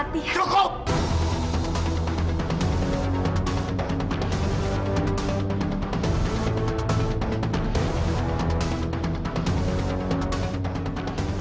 aku setia dengan mereka